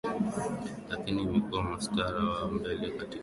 lakini imekuwa mstari wa mbele katika swala zima